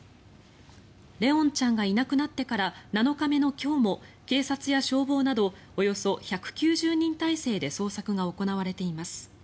怜音ちゃんがいなくなってから７日目の今日も警察や消防などおよそ１９０人態勢で捜索が行われています。